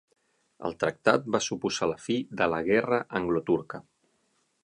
El tractat va suposar la fi de la guerra anglo-turca.